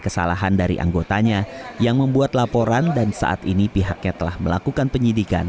kesalahan dari anggotanya yang membuat laporan dan saat ini pihaknya telah melakukan penyidikan